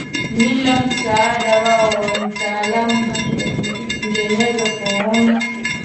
Bila msaada wao wa mtaalam hatungeweza kuondoa